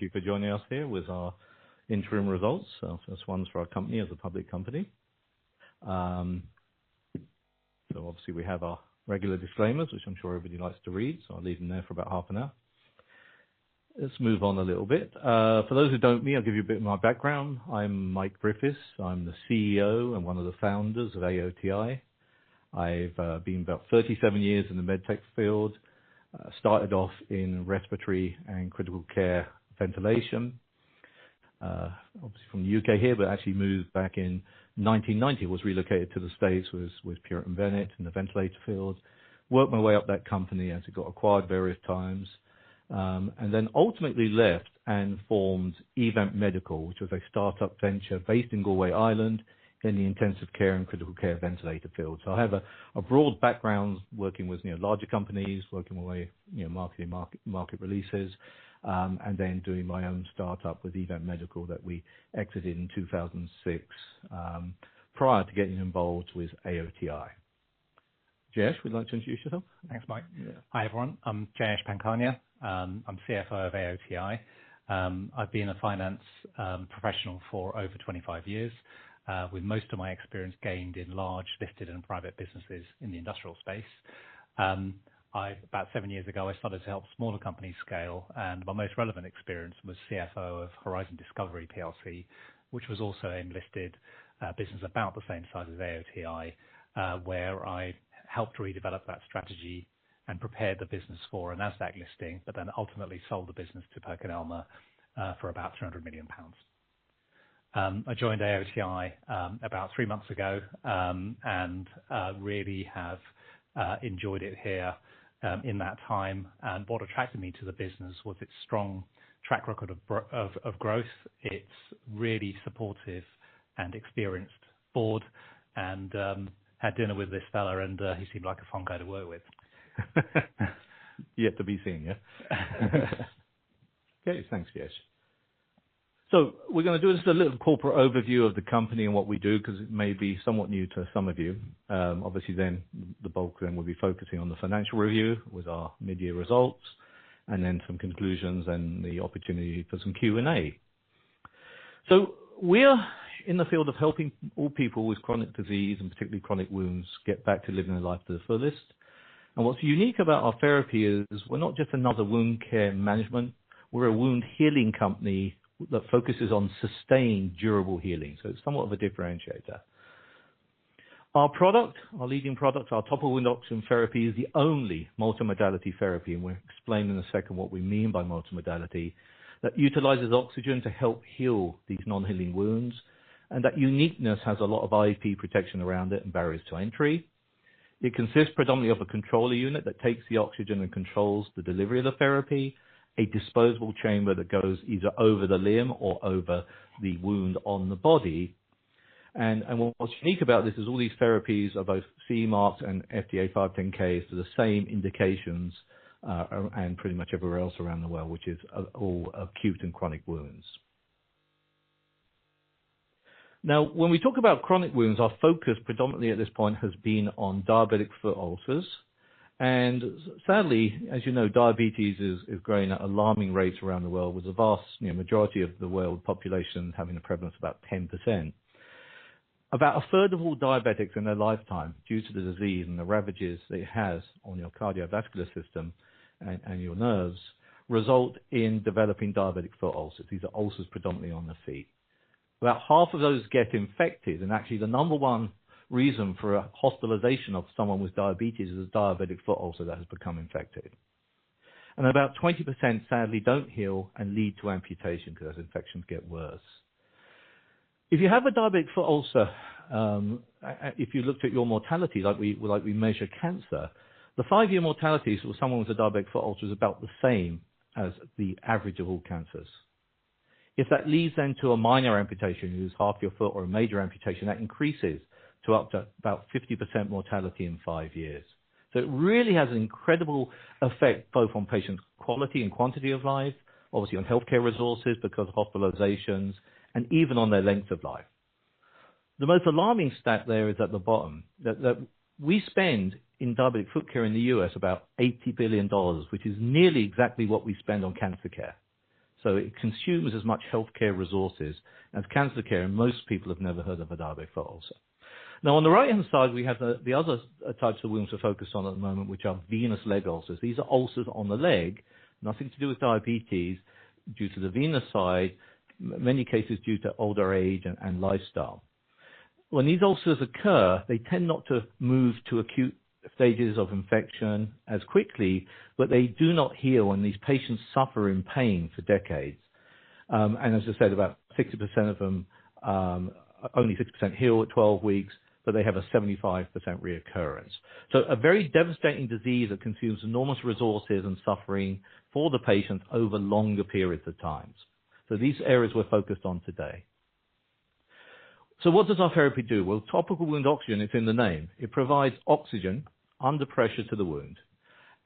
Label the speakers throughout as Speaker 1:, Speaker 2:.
Speaker 1: Thank you for joining us here with our interim results. First ones for our company as a public company. So obviously, we have our regular disclaimers, which I'm sure everybody likes to read, so I'll leave them there for about half an hour. Let's move on a little bit. For those who don't know me, I'll give you a bit of my background. I'm Mike Griffiths. I'm the CEO and one of the founders of AOTI. I've been about thirty-seven years in the med tech field. Started off in respiratory and critical care ventilation. Obviously from the U.K. here, but actually moved back in nineteen ninety. Was relocated to the States, with Puritan Bennett in the ventilator field. Worked my way up that company as it got acquired various times. And then ultimately left and formed eVent Medical, which was a startup venture based in Galway, Ireland, in the intensive care and critical care ventilator field. So I have a broad background working with, you know, larger companies, working my way, you know, marketing, market releases, and then doing my own startup with eVent Medical, that we exited in 2006, prior to getting involved with AOTI. Jayesh, would you like to introduce yourself?
Speaker 2: Thanks, Mike.
Speaker 1: Yeah.
Speaker 2: Hi, everyone, I'm Jayesh Pankhania. I'm CFO of AOTI. I've been a finance professional for over 25 years, with most of my experience gained in large listed and private businesses in the industrial space. About seven years ago, I started to help smaller companies scale, and my most relevant experience was CFO of Horizon Discovery PLC, which was also a listed business about the same size as AOTI, where I helped redevelop that strategy and prepared the business for a NASDAQ listing, but then ultimately sold the business to PerkinElmer for about 300 million pounds. I joined AOTI about three months ago, and really have enjoyed it here in that time. What attracted me to the business was its strong track record of growth, its really supportive and experienced board, and had dinner with this fella, and he seemed like a fun guy to work with.
Speaker 1: Yet to be seen, yeah? Okay, thanks, Jayesh. We're gonna do just a little corporate overview of the company and what we do, because it may be somewhat new to some of you. Obviously, then, the bulk then will be focusing on the financial review with our mid-year results, and then some conclusions and the opportunity for some Q&A. We are in the field of helping all people with chronic disease, and particularly chronic wounds, get back to living their life to the fullest. What's unique about our therapy is, we're not just another wound care management, we're a wound healing company that focuses on sustained, durable healing. It's somewhat of a differentiator. Our product, our leading product, our Topical Wound Oxygen therapy, is the only multimodality therapy, and we'll explain in a second what we mean by multimodality, that utilizes oxygen to help heal these non-healing wounds, and that uniqueness has a lot of IP protection around it and barriers to entry. It consists predominantly of a controller unit that takes the oxygen and controls the delivery of the therapy, a disposable chamber that goes either over the limb or over the wound on the body, and what's unique about this is all these therapies are both CE marked and FDA 510(k) for the same indications, and pretty much everywhere else around the world, which is all acute and chronic wounds. Now, when we talk about chronic wounds, our focus predominantly at this point has been on diabetic foot ulcers. Sadly, as you know, diabetes is growing at alarming rates around the world, with a vast, you know, majority of the world population having a prevalence of about 10%. About a third of all diabetics in their lifetime, due to the disease and the ravages it has on your cardiovascular system and your nerves, result in developing diabetic foot ulcers. These are ulcers predominantly on the feet. About half of those get infected, and actually the number one reason for a hospitalization of someone with diabetes is a diabetic foot ulcer that has become infected. About 20%, sadly, don't heal and lead to amputation because infections get worse. If you have a diabetic foot ulcer, if you looked at your mortality like we measure cancer, the five-year mortality for someone with a diabetic foot ulcer is about the same as the average of all cancers. If that leads then to a minor amputation, which is half your foot or a major amputation, that increases to up to about 50% mortality in five years. So it really has an incredible effect, both on patients' quality and quantity of life, obviously on healthcare resources, because of hospitalizations, and even on their length of life. The most alarming stat there is at the bottom, we spend in diabetic foot care in the U.S., about $80 billion, which is nearly exactly what we spend on cancer care. It consumes as much healthcare resources as cancer care, and most people have never heard of a diabetic foot ulcer. Now, on the right-hand side, we have the other types of wounds we're focused on at the moment, which are venous leg ulcers. These are ulcers on the leg, nothing to do with diabetes, due to the venous side, many cases due to older age and lifestyle. When these ulcers occur, they tend not to move to acute stages of infection as quickly, but they do not heal, and these patients suffer in pain for decades. And as I said, about 60% of them only 60% heal at 12 weeks, but they have a 75% reoccurrence. So a very devastating disease that consumes enormous resources and suffering for the patients over longer periods of times. So these areas we're focused on today. So what does our therapy do? Well, Topical Wound Oxygen, it's in the name. It provides oxygen under pressure to the wound,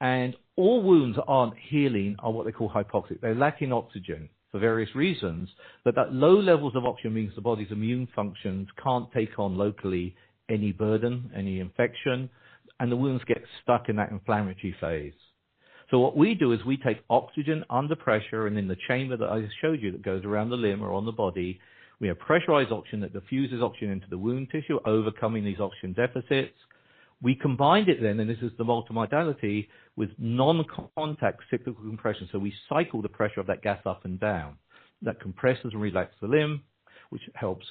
Speaker 1: and all wounds that aren't healing are what they call hypoxic. They're lacking oxygen for various reasons, but that low levels of oxygen means the body's immune functions can't take on locally any burden, any infection, and the wounds get stuck in that inflammatory phase. So what we do is we take oxygen under pressure, and in the chamber that I just showed you, that goes around the limb or on the body, we have pressurized oxygen that diffuses oxygen into the wound tissue, overcoming these oxygen deficits. We combined it then, and this is the multimodality, with non-contact cyclical compression. So we cycle the pressure of that gas up and down. That compresses and relaxes the limb, which helps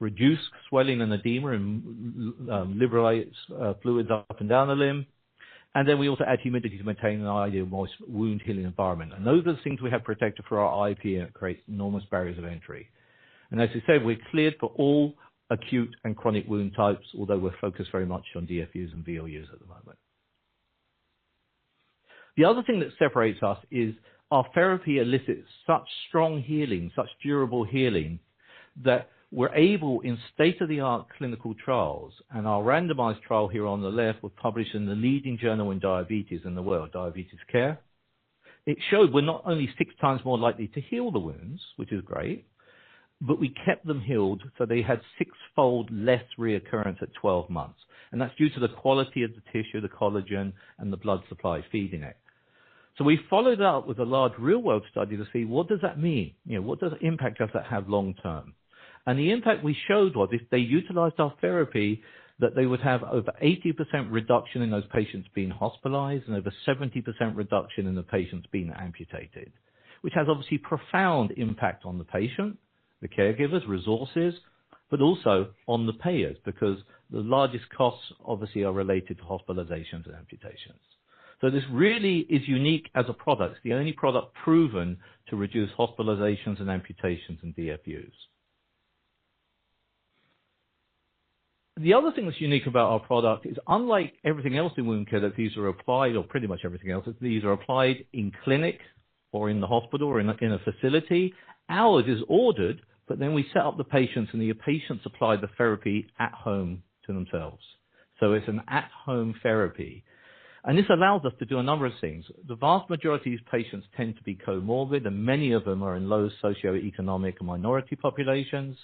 Speaker 1: reduce swelling and edema and mobilize fluids up and down the limb. And then we also add humidity to maintain an ideal moist wound healing environment. And those are the things we have protected for our IP, and it creates enormous barriers of entry. And as I said, we're cleared for all acute and chronic wound types, although we're focused very much on DFUs and VLUs at the moment. The other thing that separates us is our therapy elicits such strong healing, such durable healing, that we're able, in state-of-the-art clinical trials, and our randomized trial here on the left, was published in the leading journal in diabetes in the world, Diabetes Care. It showed we're not only six times more likely to heal the wounds, which is great, but we kept them healed, so they had sixfold less reoccurrence at 12 months, and that's due to the quality of the tissue, the collagen, and the blood supply feeding it, so we followed up with a large real-world study to see what does that mean? You know, what impact does that have long term? And the impact we showed was if they utilized our therapy, that they would have over 80% reduction in those patients being hospitalized and over 70% reduction in the patients being amputated, which has obviously profound impact on the patient, the caregivers, resources, but also on the payers, because the largest costs obviously are related to hospitalizations and amputations. This really is unique as a product, the only product proven to reduce hospitalizations and amputations in DFUs. The other thing that's unique about our product is, unlike everything else in wound care, that these are applied, or pretty much everything else, is these are applied in clinic or in the hospital or in a facility. Ours is ordered, but then we set up the patients, and the patients apply the therapy at home to themselves. So it's an at-home therapy. And this allows us to do a number of things. The vast majority of patients tend to be comorbid, and many of them are in low socioeconomic minority populations.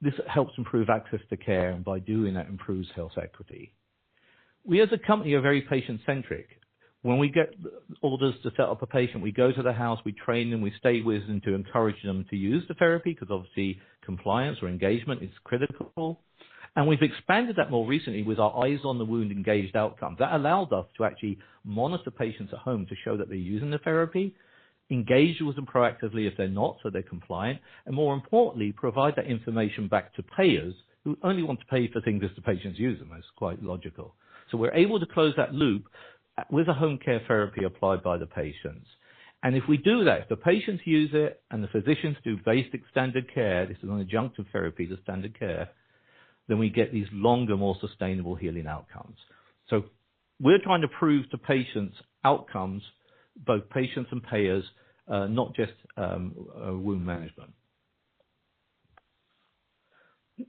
Speaker 1: This helps improve access to care, and by doing that, improves health equity. We, as a company, are very patient-centric. When we get orders to set up a patient, we go to the house, we train them, we stay with them to encourage them to use the therapy, because obviously, compliance or engagement is critical. And we've expanded that more recently with our Eyes on the Wound engaged outcome. That allowed us to actually monitor patients at home to show that they're using the therapy, engage with them proactively if they're not, so they're compliant, and more importantly, provide that information back to payers, who only want to pay for things if the patients use them. That's quite logical. So we're able to close that loop, with a home care therapy applied by the patients. And if we do that, if the patients use it and the physicians do basic standard care, this is an adjunctive therapy to standard care, then we get these longer, more sustainable healing outcomes. So we're trying to prove to patients outcomes, both patients and payers, not just wound management.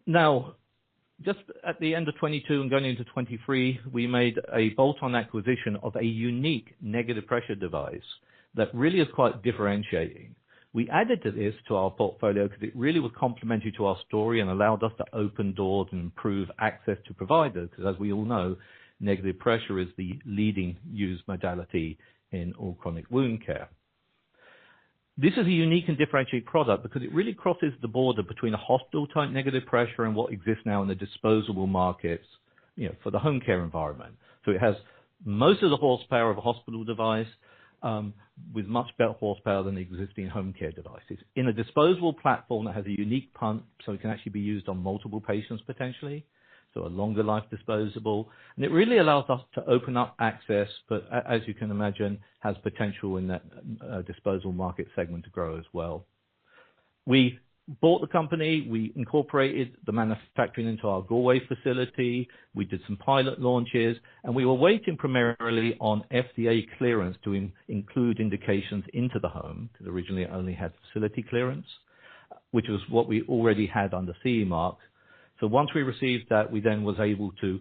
Speaker 1: Now, just at the end of 2022 and going into 2023, we made a bolt-on acquisition of a unique negative pressure device that really is quite differentiating. We added to this to our portfolio because it really was complementary to our story and allowed us to open doors and improve access to providers, because as we all know, negative pressure is the leading used modality in all chronic wound care. This is a unique and differentiated product because it really crosses the border between a hospital-type negative pressure and what exists now in the disposable markets, you know, for the home care environment. So it has most of the horsepower of a hospital device, with much better horsepower than the existing home care devices. In a disposable platform, it has a unique pump, so it can actually be used on multiple patients, potentially, so a longer life disposable, and it really allows us to open up access, but as you can imagine, has potential in that disposable market segment to grow as well. We bought the company, we incorporated the manufacturing into our Galway facility, we did some pilot launches, and we were waiting primarily on FDA clearance to include indications into the home, because originally it only had facility clearance, which was what we already had on the CE Mark. Once we received that, we then was able to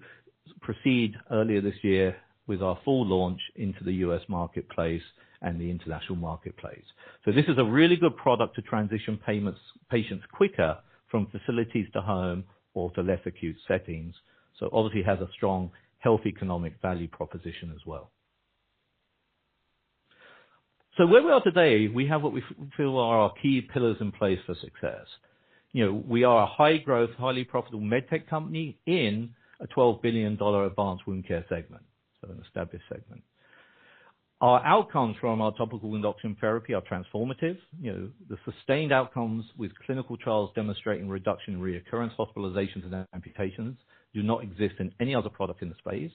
Speaker 1: proceed earlier this year with our full launch into the U.S. marketplace and the international marketplace. This is a really good product to transition patients quicker from facilities to home or to less acute settings. So obviously, it has a strong health economic value proposition as well. So where we are today, we have what we feel are our key pillars in place for success. You know, we are a high-growth, highly profitable med tech company in a $12 billion advanced wound care segment, so an established segment. Our outcomes from our topical wound oxygen therapy are transformative. You know, the sustained outcomes with clinical trials demonstrating reduction in recurrence, hospitalizations, and amputations do not exist in any other product in the space.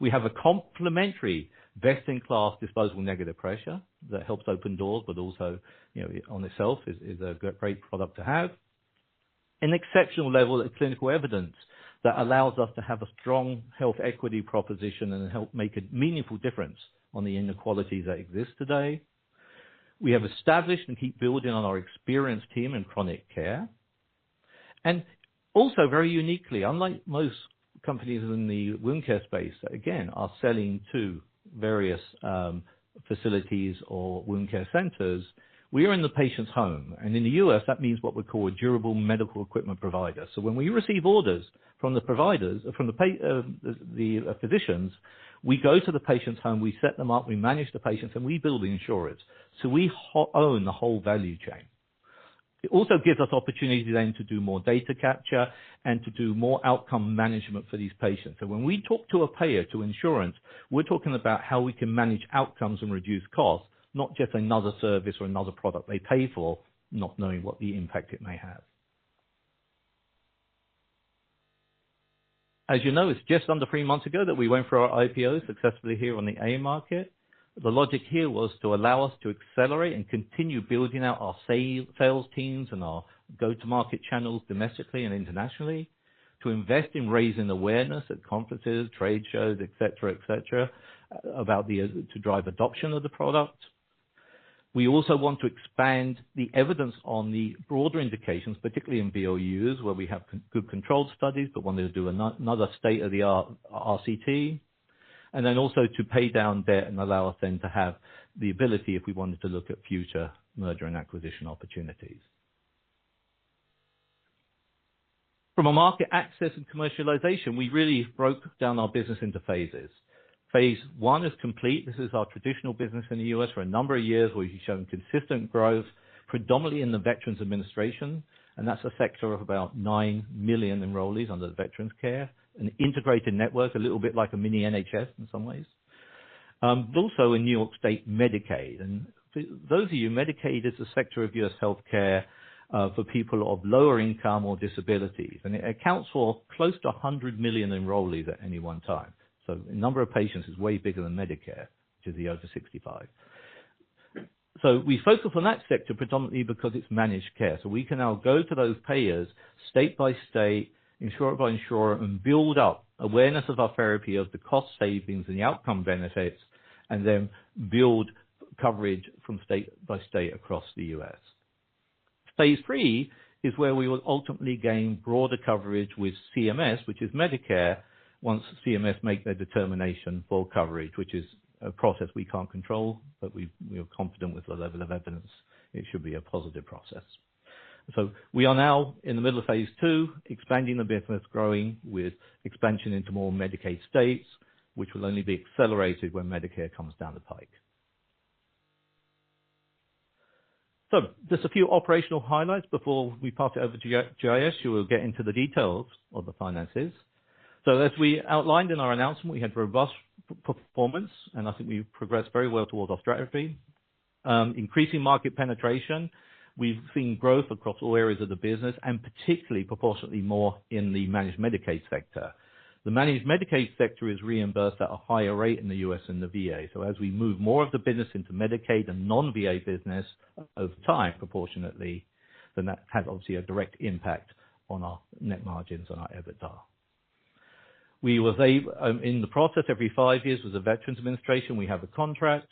Speaker 1: We have a complementary, best-in-class, disposable negative pressure that helps open doors, but also, you know, on itself is a great product to have. An exceptional level of clinical evidence that allows us to have a strong health equity proposition and help make a meaningful difference on the inequalities that exist today. We have established and keep building on our experienced team in chronic care, and also very uniquely, unlike most companies in the wound care space, again, are selling to various facilities or wound care centers. We are in the patient's home, and in the U.S., that means what we call a durable medical equipment provider. So when we receive orders from the providers, from the physicians, we go to the patient's home, we set them up, we manage the patients, and we bill the insurers. So we own the whole value chain. It also gives us opportunities then to do more data capture and to do more outcome management for these patients. So when we talk to a payer, to insurance, we're talking about how we can manage outcomes and reduce costs, not just another service or another product they pay for, not knowing what the impact it may have. As you know, it's just under three months ago that we went for our IPO successfully here on the AIM market. The logic here was to allow us to accelerate and continue building out our sales teams and our go-to-market channels domestically and internationally, to invest in raising awareness at conferences, trade shows, et cetera, et cetera, about to drive adoption of the product. We also want to expand the evidence on the broader indications, particularly in VLUs, where we have good controlled studies, but wanted to do another state-of-the-art RCT, and then also to pay down debt and allow us then to have the ability, if we wanted to look at future merger and acquisition opportunities. From a market access and commercialization, we really broke down our business into phases. Phase one is complete. This is our traditional business in the U.S. For a number of years, we've shown consistent growth, predominantly in the Veterans Administration, and that's a sector of about nine million enrollees under the veterans care, an integrated network, a little bit like a mini NHS in some ways. But also in New York State Medicaid, and for those of you, Medicaid is a sector of U.S. healthcare, for people of lower income or disabilities, and it accounts for close to 100 million enrollees at any one time. The number of patients is way bigger than Medicare, to the over 65. We focus on that sector predominantly because it's managed care. We can now go to those payers state by state, insurer by insurer, and build up awareness of our therapy, of the cost savings and the outcome benefits, and then build coverage from state by state across the U.S. Phase three is where we will ultimately gain broader coverage with CMS, which is Medicare, once CMS make their determination for coverage, which is a process we can't control, but we are confident with the level of evidence it should be a positive process, so we are now in the middle of phase two, expanding the business, growing with expansion into more Medicaid states, which will only be accelerated when Medicare comes down the pike, so just a few operational highlights before we pass it over to Jayesh, who will get into the details of the finances, so as we outlined in our announcement, we had robust performance, and I think we've progressed very well towards our strategy. Increasing market penetration. We've seen growth across all areas of the business, and particularly proportionately more in the managed Medicaid sector. The managed Medicaid sector is reimbursed at a higher rate in the U.S. and the VA. So as we move more of the business into Medicaid and non-VA business over time, proportionately, then that has obviously a direct impact on our net margins and our EBITDA. We were there in the process, every five years with the Veterans Administration, we have a contract.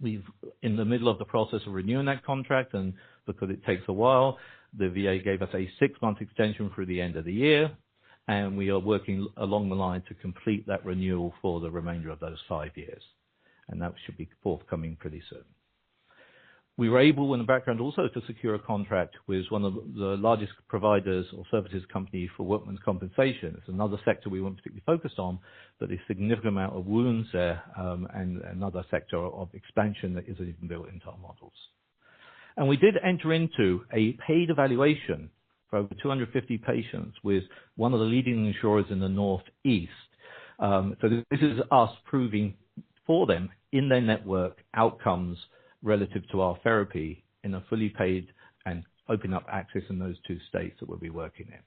Speaker 1: We're in the middle of the process of renewing that contract, and because it takes a while, the VA gave us a six-month extension through the end of the year, and we are working along the line to complete that renewal for the remainder of those five years, and that should be forthcoming pretty soon. We were able, in the background, also to secure a contract with one of the largest providers of services company for workers' compensation. It's another sector we won't particularly focus on, but a significant amount of wounds there, and another sector of expansion that is even built into our models. We did enter into a paid evaluation for over 250 patients with one of the leading insurers in the Northeast. So this is us proving for them, in their network, outcomes relative to our therapy in a fully paid and opening up access in those two states that we'll be working in.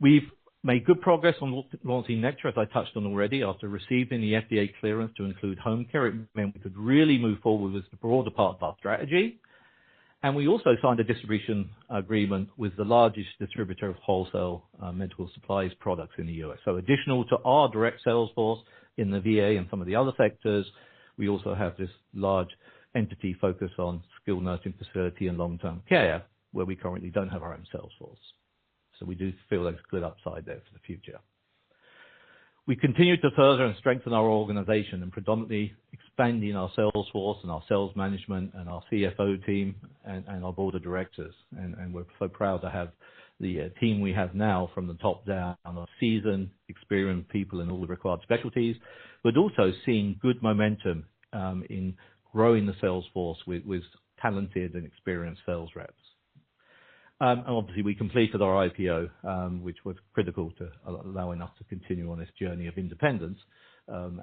Speaker 1: We've made good progress on launching Nexa, as I touched on already, after receiving the FDA clearance to include home care. It meant we could really move forward with the broader part of our strategy, and we also signed a distribution agreement with the largest distributor of wholesale medical supplies products in the U.S. So additional to our direct sales force in the VA and some of the other sectors, we also have this large entity focused on skilled nursing facility and long-term care, where we currently don't have our own sales force. We do feel there's clear upside there for the future. We continue to further and strengthen our organization and predominantly expanding our sales force and our sales management and our CFO team and our board of directors. We're so proud to have the team we have now from the top down, and are seasoned, experienced people in all the required specialties, but also seeing good momentum in growing the sales force with talented and experienced sales reps. Obviously, we completed our IPO, which was critical to allowing us to continue on this journey of independence,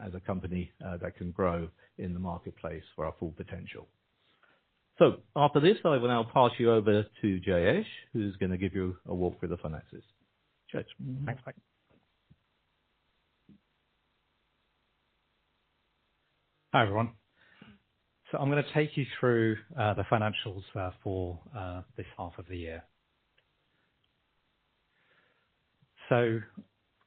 Speaker 1: as a company that can grow in the marketplace for our full potential. After this, I will now pass you over to Jayesh, who's gonna give you a walk through the finances. Jayesh. Thanks, mate.
Speaker 2: Hi, everyone. I'm gonna take you through the financials for this half of the year.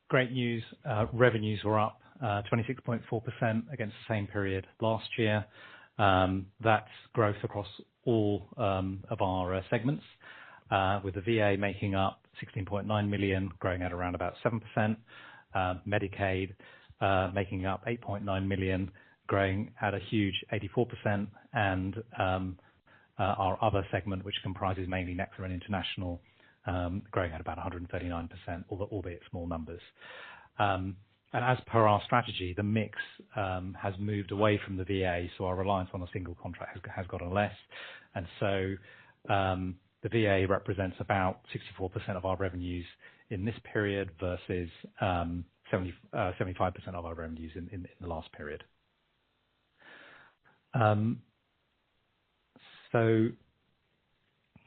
Speaker 2: Great news. Revenues were up 26.4% against the same period last year. That's growth across all of our segments, with the VA making up $16.9 million, growing at around about 7%, Medicaid making up $8.9 million, growing at a huge 84%. And our other segment, which comprises mainly Nexa and International, growing at about 139%, although albeit small numbers. As per our strategy, the mix has moved away from the VA, so our reliance on a single contract has gotten less. The VA represents about 64% of our revenues in this period, versus seventy-five percent of our revenues in the last period.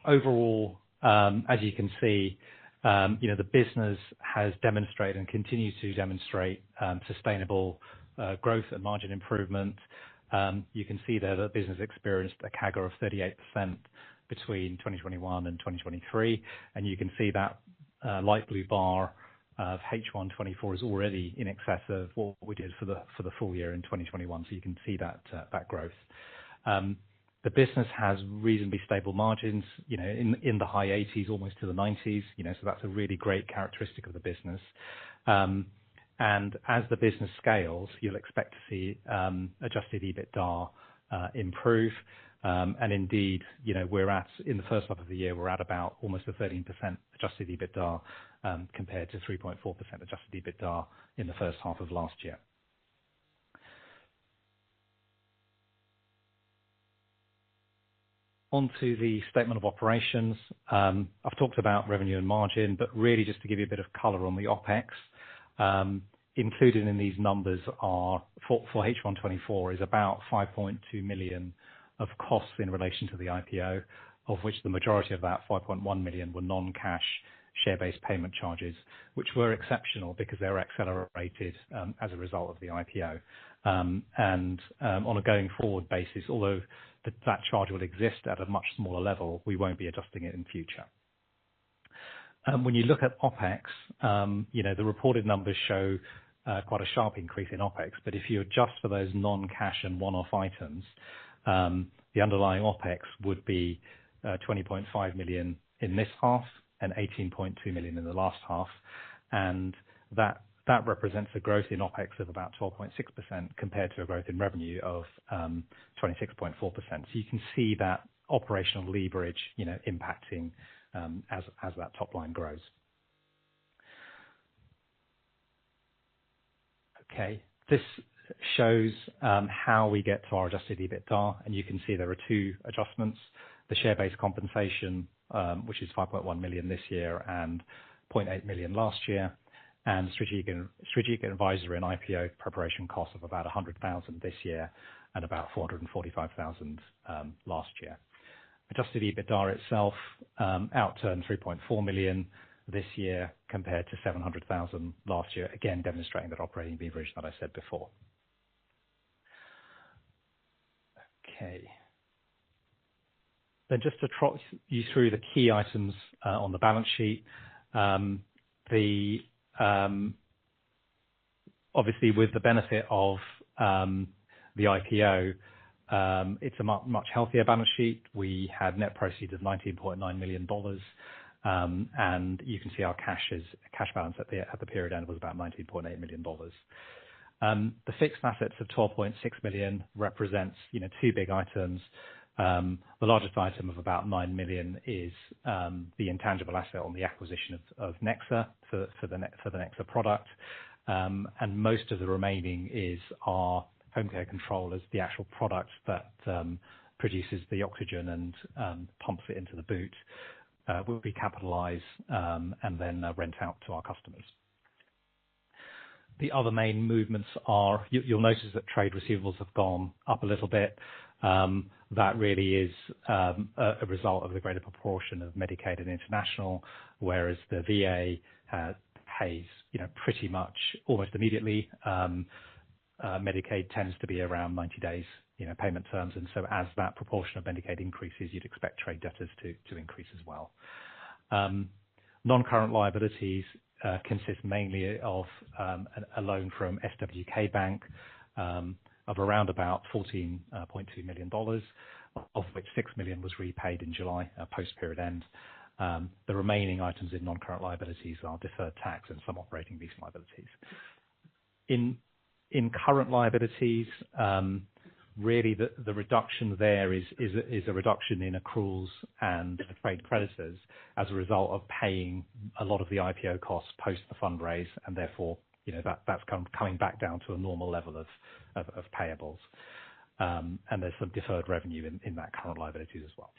Speaker 2: Overall, as you can see, you know, the business has demonstrated and continues to demonstrate sustainable growth and margin improvement. You can see there the business experienced a CAGR of 38% between 2021 and 2023, and you can see that light blue bar of H1 2024 is already in excess of what we did for the full year in 2021, so you can see that growth. The business has reasonably stable margins, you know, in the high 80s, almost to the 90s, you know, so that's a really great characteristic of the business. And as the business scales, you'll expect to see Adjusted EBITDA improve. And indeed, you know, we're at, in the first half of the year, we're at about almost 13% Adjusted EBITDA, compared to 3.4% Adjusted EBITDA in the first half of last year. On to the statement of operations. I've talked about revenue and margin, but really just to give you a bit of color on the OpEx. Included in these numbers for H1 2024 is about $5.2 million of costs in relation to the IPO, of which the majority of that $5.1 million were non-cash, share-based payment charges. Which were exceptional because they were accelerated as a result of the IPO. And, on a going-forward basis, although that charge will exist at a much smaller level, we won't be adjusting it in future. When you look at OpEx, you know, the reported numbers show quite a sharp increase in OpEx, but if you adjust for those non-cash and one-off items, the underlying OpEx would be $20.5 million in this half and $18.2 million in the last half, and that, that represents a growth in OpEx of about 12.6% compared to a growth in revenue of 26.4%. So you can see that operational leverage, you know, impacting, as, as that top line grows. Okay, this shows how we get to our Adjusted EBITDA, and you can see there are two adjustments: the share-based compensation, which is $5.1 million this year, and $0.8 million last year, and strategic advisory and IPO preparation cost of about $100,000 this year and about $445,000 last year. Adjusted EBITDA itself outturned $3.4 million this year, compared to $700,000 last year, again, demonstrating that operating leverage that I said before. Okay. Then just to trot you through the key items on the balance sheet. Obviously, with the benefit of the IPO, it's a much, much healthier balance sheet. We had net proceeds of $19.9 million, and you can see our cash is, cash balance at the, at the period end was about $19.8 million. The fixed assets of $12.6 million represents, you know, two big items. The largest item of about $9 million is the intangible asset on the acquisition of Nexa for the Nexa product. And most of the remaining is our home care controllers, the actual product that produces the oxygen and pumps it into the boot, will be capitalized, and then rent out to our customers. The other main movements are, you'll notice that trade receivables have gone up a little bit.
Speaker 1: That really is a result of the greater proportion of Medicaid and International, whereas the VA pays, you know, pretty much almost immediately. Medicaid tends to be around ninety days, you know, payment terms, and so as that proportion of Medicaid increases, you'd expect trade debtors to increase as well. Non-current liabilities consist mainly of a loan from SWK Funding of around about $14.2 million, of which $6 million was repaid in July post-period end. The remaining items in non-current liabilities are deferred tax and some operating lease liabilities. In current liabilities, really, the reduction there is a reduction in accruals and trade creditors as a result of paying a lot of the IPO costs post the fundraise, and therefore, you know, that's coming back down to a normal level of payables, and there's some deferred revenue in that current liabilities as well.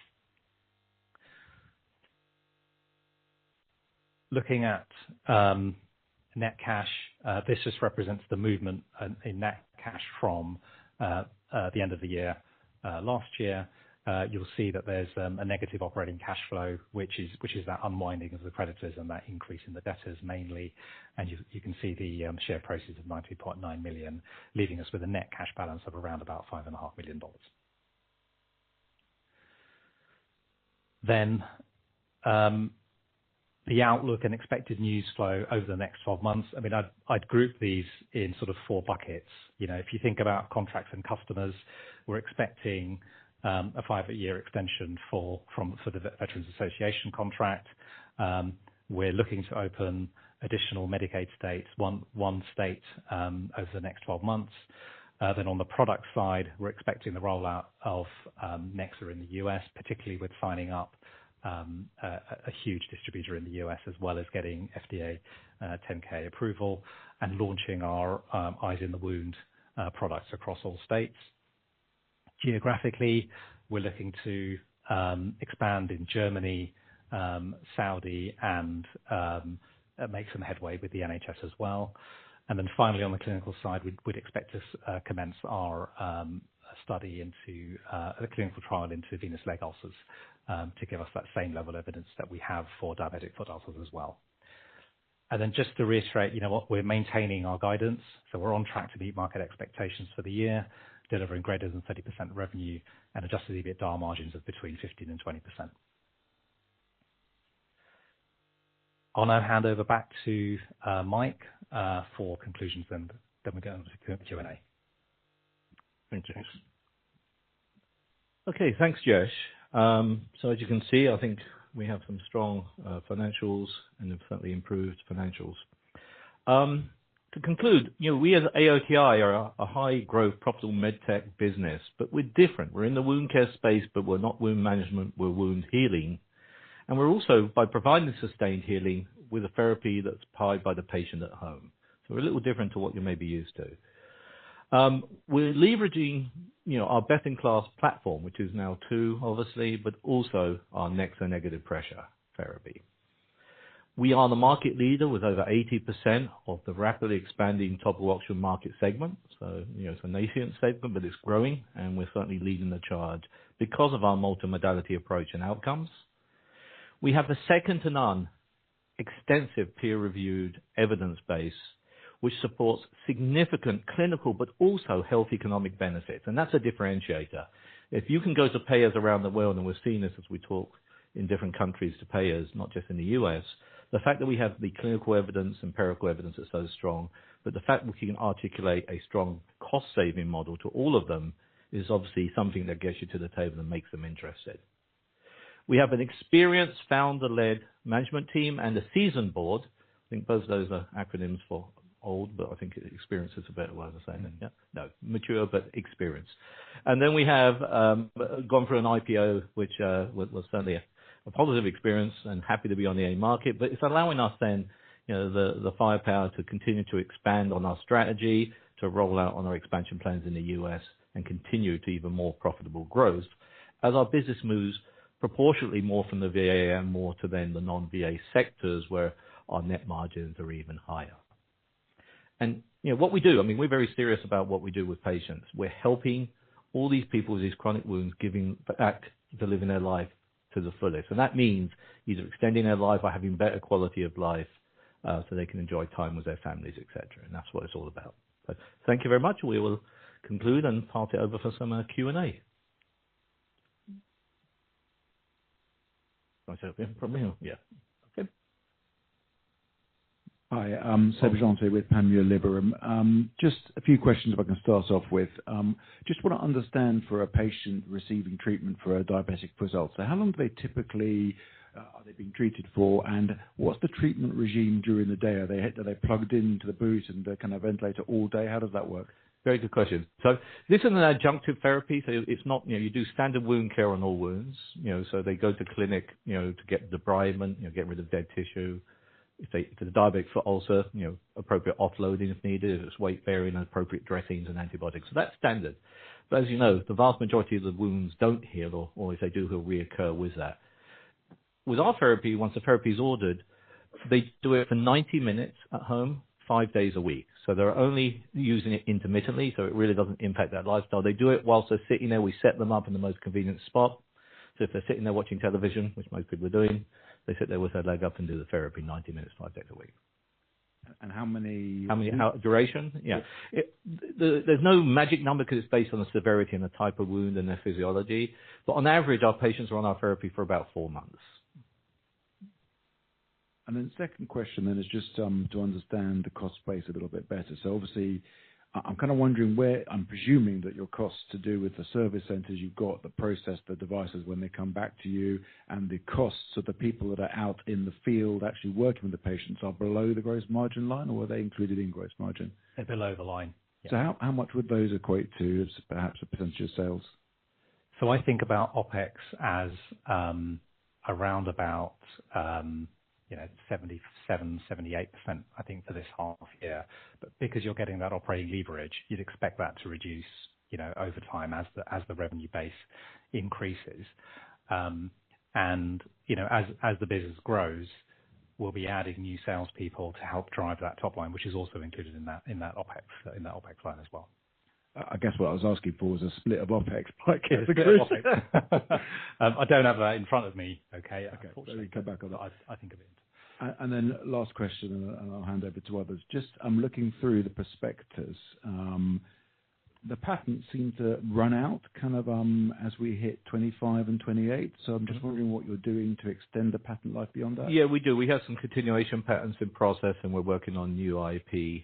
Speaker 1: Looking at net cash, this just represents the movement in net cash from the end of the year last year. You'll see that there's a negative operating cashflow, which is that unwinding of the creditors and that increase in the debtors, mainly, and you can see the share proceeds of $19.9 million, leaving us with a net cash balance of around about $5.5 million. Then, the outlook and expected news flow over the next twelve months. I mean, I'd group these in sort of four buckets. You know, if you think about contracts and customers, we're expecting a five-year extension from sort of a Veterans Affairs contract. We're looking to open additional Medicaid states, one state, over the next twelve months. Then on the product side, we're expecting the rollout of Nexa in the US, particularly with signing up a huge distributor in the US, as well as getting FDA 510(k) approval, and launching our Eyes on the Wound products across all states. Geographically, we're looking to expand in Germany, Saudi, and make some headway with the NHS as well. Then finally, on the clinical side, we'd expect to commence our study into the clinical trial into venous leg ulcers to give us that same level evidence that we have for diabetic foot ulcers as well. Then just to reiterate, you know what? We're maintaining our guidance, so we're on track to meet market expectations for the year, delivering greater than 30% revenue and Adjusted EBITDA margins of between 15% and 20%. I'll now hand over back to Mike for conclusions, and then we're going to go into Q&A. Thanks, Jayesh. Okay, thanks, Jayesh. So as you can see, I think we have some strong financials and importantly improved financials. To conclude, you know, we as AOTI are a high growth profitable med tech business, but we're different. We're in the wound care space, but we're not wound management, we're wound healing, and we're also by providing sustained healing with a therapy that's powered by the patient at home, so we're a little different to what you may be used to. We're leveraging, you know, our best-in-class platform, which is now TWO2, obviously, but also our Nexa negative pressure therapy. We are the market leader with over 80% of the rapidly expanding topical oxygen market segment, so you know, it's an at-home segment, but it's growing, and we're certainly leading the charge because of our multimodality approach and outcomes. We have the second to none extensive peer-reviewed evidence base, which supports significant clinical but also health economic benefits, and that's a differentiator. If you can go to payers around the world, and we're seeing this as we talk in different countries to payers, not just in the U.S., the fact that we have the clinical evidence, empirical evidence is so strong, but the fact that we can articulate a strong cost-saving model to all of them, is obviously something that gets you to the table and makes them interested. We have an experienced founder-led management team and a seasoned board. I think both of those are acronyms for old, but I think experience is a better way of saying it. Yeah, no, mature but experienced. Then we have gone through an IPO, which was certainly a positive experience and happy to be on the AIM market. But it's allowing us then, you know, the firepower to continue to expand on our strategy, to roll out on our expansion plans in the U.S., and continue to even more profitable growth as our business moves proportionately more from the VA and more to then the non-VA sectors, where our net margins are even higher. And, you know, what we do? I mean, we're very serious about what we do with patients. We're helping all these people with these chronic wounds, giving them back to living their life to the fullest. And that means either extending their life or having better quality of life, so they can enjoy time with their families, et cetera, and that's what it's all about. But thank you very much. We will conclude and pass it over for some Q&A. From me? Yeah. Okay.
Speaker 3: Hi, Seb Jantet with Panmure Gordon. Just a few questions, if I can start off with. Just want to understand for a patient receiving treatment for a diabetic foot ulcer, how long do they typically are they being treated for? And what's the treatment regimen during the day? Are they plugged into the boot and kind of ventilated all day? How does that work?
Speaker 1: Very good question. So this is an adjunctive therapy, so it's not... You know, you do standard wound care on all wounds. You know, so they go to clinic, you know, to get debridement, you know, get rid of dead tissue. If they, for the diabetic foot ulcer, you know, appropriate offloading if needed, if it's weight-bearing, appropriate dressings and antibiotics. So that's standard. But as you know, the vast majority of the wounds don't heal, or if they do, they'll reoccur with that. With our therapy, once the therapy is ordered, they do it for ninety minutes at home, five days a week. So they're only using it intermittently, so it really doesn't impact their lifestyle. They do it whilst they're sitting there. We set them up in the most convenient spot. So if they're sitting there watching television, which most people are doing, they sit there with their leg up and do the therapy ninety minutes, five days a week.
Speaker 3: How many-
Speaker 1: How many hours duration?
Speaker 3: Yeah.
Speaker 1: There's no magic number, because it's based on the severity and the type of wound and their physiology. But on average, our patients are on our therapy for about four months.
Speaker 3: The second question is just to understand the cost base a little bit better. Obviously, I'm kind of wondering where I'm presuming that your costs to do with the service centers, you've got the process, the devices when they come back to you, and the costs of the people that are out in the field actually working with the patients are below the gross margin line, or were they included in gross margin?
Speaker 2: They're below the line.
Speaker 3: So how much would those equate to, as perhaps a percentage of sales?
Speaker 2: So I think about OpEx as around about you know 77%-78% I think for this half year. But because you're getting that operating leverage you'd expect that to reduce you know over time as the revenue base increases, and you know as the business grows we'll be adding new salespeople to help drive that top line which is also included in that OpEx line as well.
Speaker 3: I guess what I was asking for was a split of OpEx, but
Speaker 1: I don't have that in front of me. Okay.
Speaker 3: Okay. Let me come back on that.
Speaker 1: I think of it.
Speaker 3: Then last question, and I'll hand over to others. Just, I'm looking through the prospectus. The patents seem to run out, kind of, as we hit 2025 and 2028. So I'm just wondering what you're doing to extend the patent life beyond that.
Speaker 1: Yeah, we do. We have some continuation patents in process, and we're working on new IP,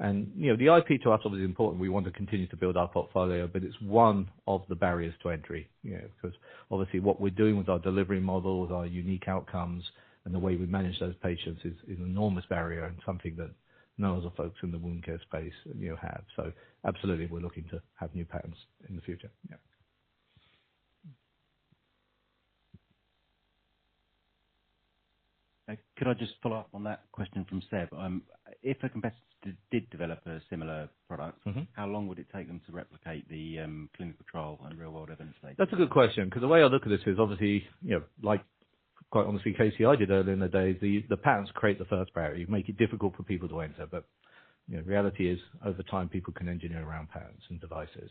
Speaker 1: and you know, the IP to us is important. We want to continue to build our portfolio, but it's one of the barriers to entry. You know, because obviously, what we're doing with our delivery models, our unique outcomes, and the way we manage those patients is an enormous barrier and something that no other folks in the wound care space, you know, have. So absolutely, we're looking to have new patents in the future. Yeah. Could I just follow up on that question from Seb? If a competitor did develop a similar product- How long would it take them to replicate the clinical trial and real world evidence data? That's a good question, 'cause the way I look at this is, obviously, you know, like, quite honestly, KCI did earlier in the day, the patents create the first barrier. You make it difficult for people to enter. But, you know, reality is, over time, people can engineer around patents and devices.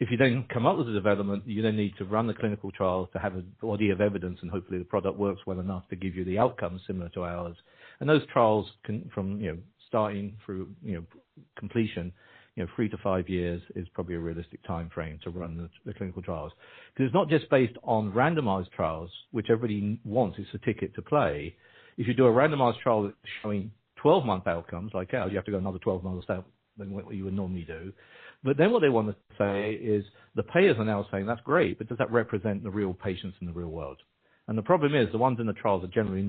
Speaker 1: If you then come up with a development, you then need to run the clinical trial to have a body of evidence, and hopefully the product works well enough to give you the outcomes similar to ours. And those trials can from, you know, starting through, you know, completion, you know, three to five years is probably a realistic timeframe to run the clinical trials. Because it's not just based on randomized trials, which everybody wants, it's a ticket to play. If you do a randomized trial that's showing twelve-month outcomes, like, oh, you have to go another twelve months out than what you would normally do. But then what they want to say is, the payers are now saying, "That's great, but does that represent the real patients in the real world?" And the problem is, the ones in the trials are generally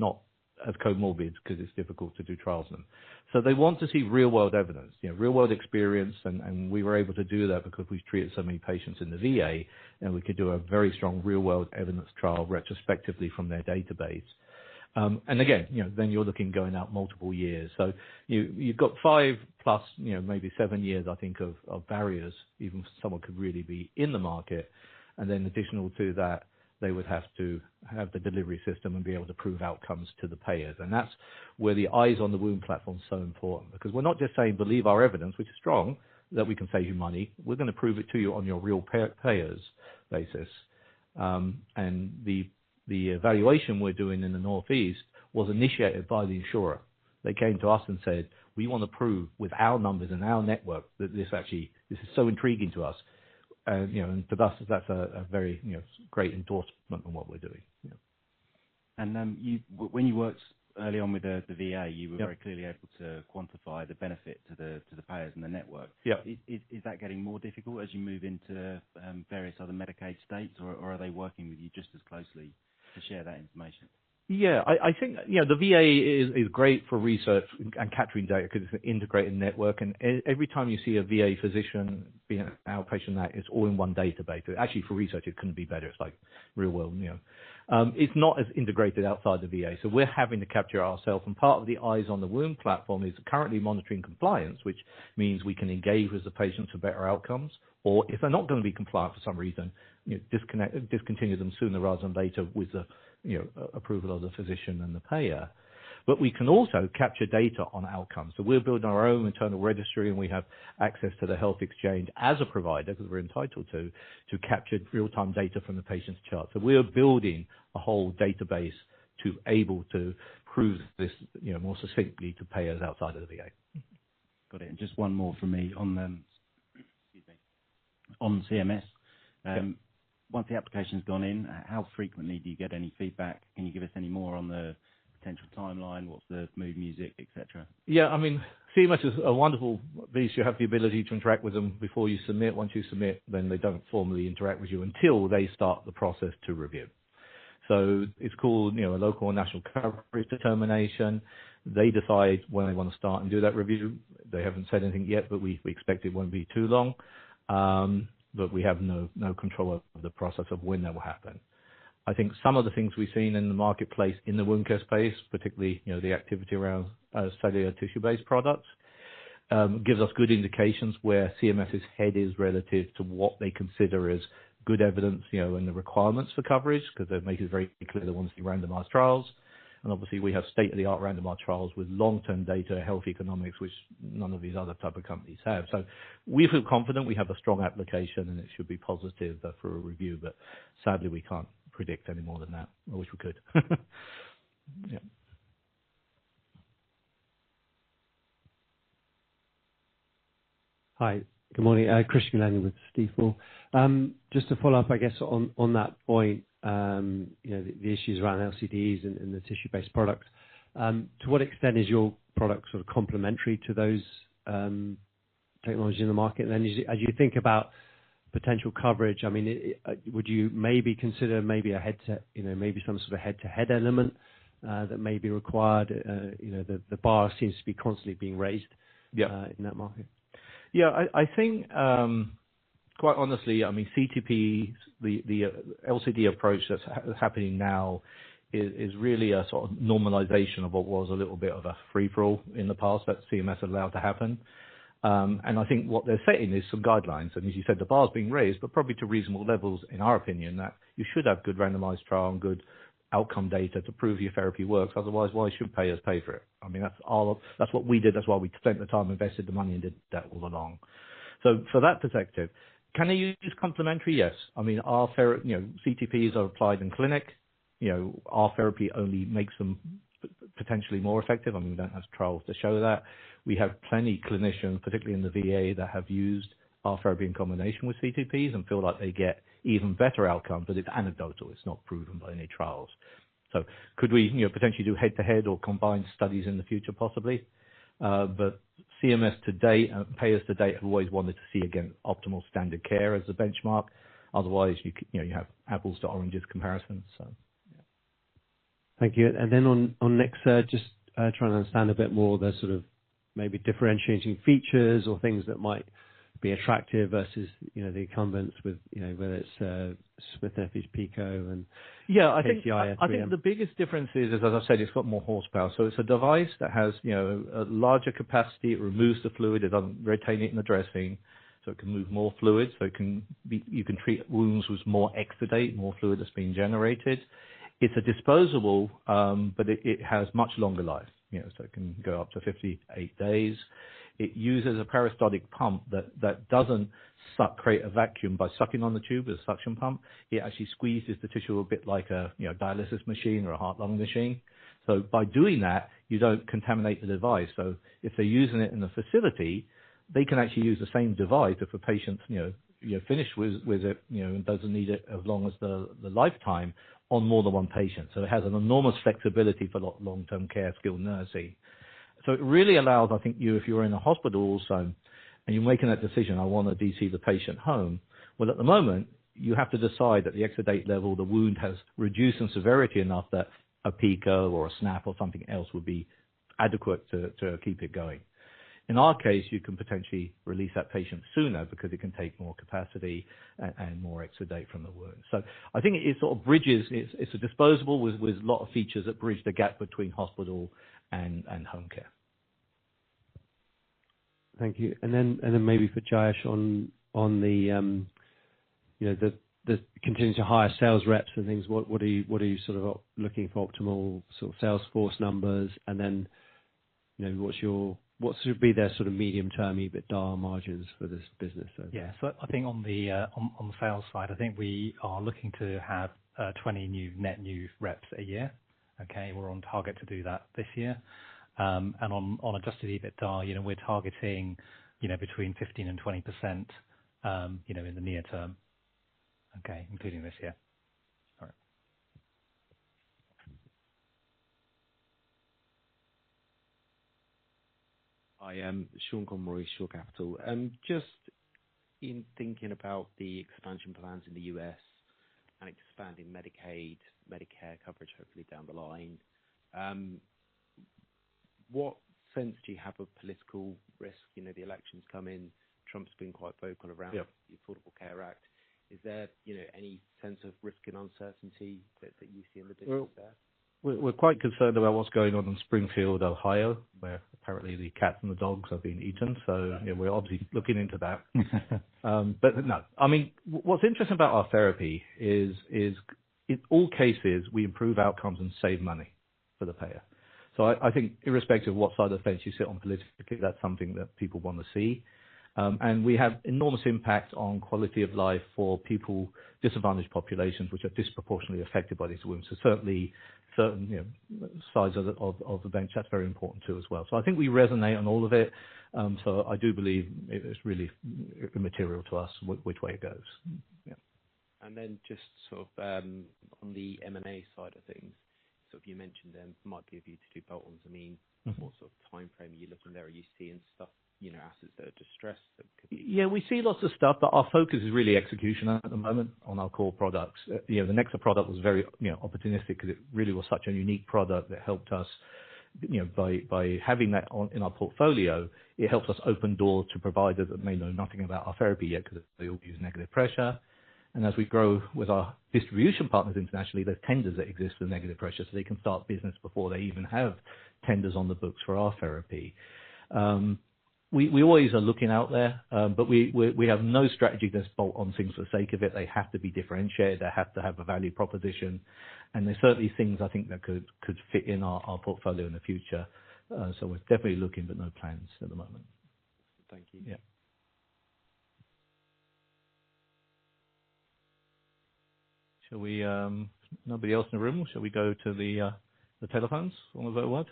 Speaker 1: not as comorbid, because it's difficult to do trials then. So they want to see real-world evidence, you know, real-world experience, and, and we were able to do that because we've treated so many patients in the VA, and we could do a very strong real-world evidence trial retrospectively from their database. And again, you know, then you're looking going out multiple years. So you've got five-plus, you know, maybe seven years, I think, of barriers, even someone could really be in the market. And then additional to that, they would have to have the delivery system and be able to prove outcomes to the payers. And that's where the Eyes on the Wound platform is so important, because we're not just saying, "Believe our evidence," which is strong, "that we can save you money." We're gonna prove it to you on your real payers basis. And the evaluation we're doing in the Northeast was initiated by the insurer. They came to us and said, "We wanna prove with our numbers and our network, that this actually... This is so intriguing to us." And, you know, and for us, that's a very, you know, great endorsement on what we're doing. Yeah. And then, when you worked early on with the VA. Yeah You were very clearly able to quantify the benefit to the payers and the network. Yeah. Is that getting more difficult as you move into various other Medicaid states, or are they working with you just as closely to share that information? Yeah. I think, you know, the VA is great for research and capturing data, because it's an integrated network, and every time you see a VA physician be an outpatient, that is all in one database. Actually, for research, it couldn't be better. It's like real world, you know. It's not as integrated outside the VA, so we're having to capture ourselves, and part of the Eyes on the Wound platform is currently monitoring compliance, which means we can engage with the patients for better outcomes, or if they're not gonna be compliant for some reason, you know, discontinue them sooner rather than later with the, you know, approval of the physician and the payer. But we can also capture data on outcomes. So we're building our own internal registry, and we have access to the health exchange as a provider, because we're entitled to capture real-time data from the patient's chart. So we are building a whole database to able to prove this, you know, more succinctly to payers outside of the VA. Got it, and just one more from me on them. Excuse me. On CMS- Yeah. Once the application's gone in, how frequently do you get any feedback? Can you give us any more on the potential timeline? What's the mood music, etc? Yeah, I mean, CMS is a wonderful beast. You have the ability to interact with them before you submit. Once you submit, then they don't formally interact with you until they start the process to review. So it's called, you know, a local and national coverage determination. They decide when they wanna start and do that review. They haven't said anything yet, but we expect it won't be too long. But we have no control over the process of when that will happen. I think some of the things we've seen in the marketplace, in the wound care space, particularly, you know, the activity around cellular tissue-based products gives us good indications where CMS's head is relative to what they consider as good evidence, you know, and the requirements for coverage, because they've made it very clear they want to see randomized trials. Obviously, we have state-of-the-art randomized trials with long-term data, health economics, which none of these other type of companies have. We feel confident we have a strong application, and it should be positive for a review, but sadly, we can't predict any more than that. I wish we could. Yeah.
Speaker 4: Hi, good morning. Christian Glennie with Stifel. Just to follow up, I guess, on that point, you know, the issues around LCDs and the tissue-based products. To what extent is your product sort of complementary to those technologies in the market? Then as you think about potential coverage, I mean, would you maybe consider a head-to-head... You know, maybe some sort of a head-to-head element that may be required? You know, the bar seems to be constantly being raised-
Speaker 1: Yeah...
Speaker 4: in that market.
Speaker 1: Yeah, I think, quite honestly, I mean, CTP, the LCD approach that's happening now is really a sort of normalization of what was a little bit of a free-for-all in the past, that CMS allowed to happen. And I think what they're saying is some guidelines, and as you said, the bar is being raised, but probably to reasonable levels in our opinion, that you should have good randomized trial and good outcome data to prove your therapy works. Otherwise, why should payers pay for it? I mean, that's what we did. That's why we spent the time, invested the money, and did that all along. So for that perspective, can I use complementary? Yes. I mean, our therapy you know, CTPs are applied in clinic, you know, our therapy only makes them potentially more effective. I mean, that has trials to show that. We have plenty clinicians, particularly in the VA, that have used our therapy in combination with CTPs and feel like they get even better outcomes, but it's anecdotal, it's not proven by any trials. So could we, you know, potentially do head-to-head or combined studies in the future? Possibly. But CMS to date, and payers to date, have always wanted to see, again, optimal standard care as a benchmark. Otherwise, you know, you have apples to oranges comparisons.
Speaker 4: Thank you. And then on Nexa, just trying to understand a bit more the sort of maybe differentiating features or things that might be attractive versus, you know, the incumbents with, you know, whether it's Smith & Nephew's PICO and-
Speaker 1: Yeah, I think-
Speaker 4: KCI, I think.
Speaker 1: I think the biggest difference is, as I said, it's got more horsepower. So it's a device that has, you know, a larger capacity. It removes the fluid, it doesn't retain it in the dressing. So it can move more fluid, so you can treat wounds with more exudate, more fluid that's being generated. It's a disposable, but it has much longer life, you know, so it can go up to 58 days. It uses a peristaltic pump that doesn't create a vacuum by sucking on the tube as a suction pump. It actually squeezes the tissue a bit like a, you know, dialysis machine or a heart-lung machine. So by doing that, you don't contaminate the device. So if they're using it in a facility, they can actually use the same device if a patient, you know, you're finished with it, you know, and doesn't need it, as long as the lifetime on more than one patient. So it has an enormous flexibility for long-term care, skilled nursing. So it really allows, I think, you if you're in a hospital also, and you're making that decision, "I wanna DC the patient home," well, at the moment, you have to decide that the exudate level, the wound has reduced in severity enough that a PICO or a SNAP or something else would be adequate to keep it going. In our case, you can potentially release that patient sooner because it can take more capacity and more exudate from the wound. So I think it sort of bridges... It's a disposable with a lot of features that bridge the gap between hospital and home care.
Speaker 4: Thank you. And then maybe for Jayesh, on the, you know, the continuing to hire sales reps and things, what are you sort of looking for optimal sort of sales force numbers? And then, you know, what should be their sort of medium-term EBITDA margins for this business then?
Speaker 2: Yeah. I think on the sales side, I think we are looking to have 20 new, net new reps a year. Okay, we're on target to do that this year. And on Adjusted EBITDA, you know, we're targeting, you know, between 15% and 20%, you know, in the near term, okay, including this year.
Speaker 4: All right.
Speaker 5: Hi, Sean Conroy, Shore Capital. Just in thinking about the expansion plans in the U.S. and expanding Medicaid, Medicare coverage, hopefully down the line, what sense do you have of political risk? You know, the election's coming. Trump's been quite vocal around-
Speaker 1: Yeah
Speaker 5: - the Affordable Care Act. Is there, you know, any sense of risk and uncertainty that you see in the distance there?
Speaker 2: We're quite concerned about what's going on in Springfield, Ohio, where apparently the cats and the dogs are being eaten. You know, we're obviously looking into that, but no. I mean, what's interesting about our therapy is in all cases, we improve outcomes and save money for the payer. I think irrespective of what side of the fence you sit on politically, that's something that people want to see, and we have enormous impact on quality of life for people, disadvantaged populations, which are disproportionately affected by these wounds. Certainly, you know, sides of the bench, that's very important, too, as well. I think we resonate on all of it. I do believe it's really immaterial to us which way it goes.
Speaker 5: Yeah. Then just sort of, on the M&A side of things, so you mentioned there might be a view to do bolt-ons. I mean- - What sort of timeframe are you looking there? Are you seeing stuff, you know, assets that are distressed, that could-
Speaker 1: Yeah, we see lots of stuff, but our focus is really execution at the moment on our core products. You know, the Nexa product was very, you know, opportunistic because it really was such a unique product that helped us. You know, by having that on, in our portfolio, it helps us open doors to providers that may know nothing about our therapy yet, because they all use negative pressure. And as we grow with our distribution partners internationally, there's tenders that exist with negative pressure, so they can start business before they even have tenders on the books for our therapy. We always are looking out there, but we have no strategy that's bolt-on things for the sake of it. They have to be differentiated, they have to have a value proposition, and there's certainly things I think that could fit in our portfolio in the future. So we're definitely looking, but no plans at the moment.
Speaker 5: Thank you.
Speaker 1: Yeah. Shall we? Nobody else in the room? Shall we go to the telephones, or whatever what?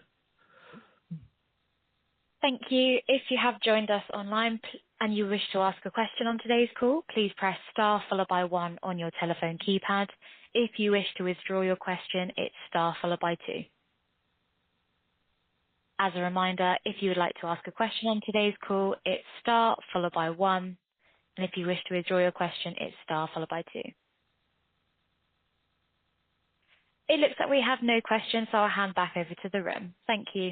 Speaker 6: Thank you. If you have joined us online and you wish to ask a question on today's call, please press Star followed by one on your telephone keypad. If you wish to withdraw your question, it's Star followed by two. As a reminder, if you would like to ask a question on today's call, it's Star followed by one, and if you wish to withdraw your question, it's Star followed by two. It looks like we have no questions, so I'll hand back over to the room. Thank you.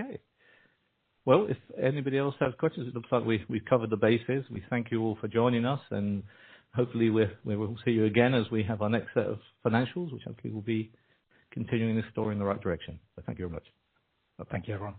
Speaker 1: Okay. If anybody else has questions, it looks like we've covered the bases. We thank you all for joining us, and hopefully we'll see you again as we have our next set of financials, which hopefully will be continuing this story in the right direction. Thank you very much. Thank you, everyone.